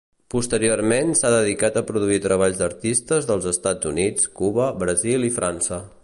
Posteriorment s'ha dedicat a produir treballs d'artistes dels Estats Units, Cuba, Brasil i França.